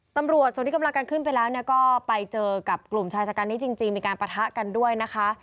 ตำรวจส่วนที่กำลังกันขึ้นไปแล้วก็ไปเจอกับกลุ่มชายชะกันนี้จริงมีการปะทะกันด้วยนะคะ